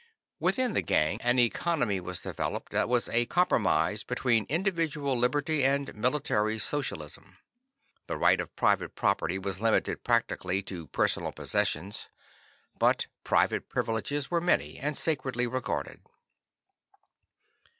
Within the gang, an economy was developed that was a compromise between individual liberty and a military socialism. The right of private property was limited practically to personal possessions, but private privileges were many, and sacredly regarded.